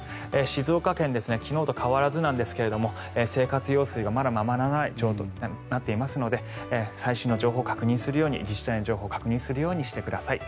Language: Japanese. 静岡県昨日と変わらずなんですが生活用水がまだままならない状況となっていますので最新の情報を確認するように自治体の情報を確認するようにしてください。